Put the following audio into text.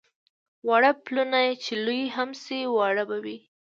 واړه پلونه چې لوی هم شي واړه به وي.